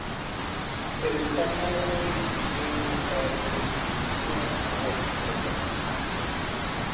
It is primarily aimed at Unix-like systems.